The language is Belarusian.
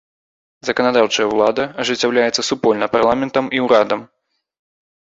Заканадаўчая ўлада ажыццяўляецца супольна парламентам і ўрадам.